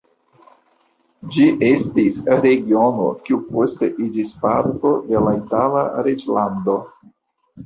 Ĝi estis regiono, kiu poste iĝis parto de la Itala reĝlando.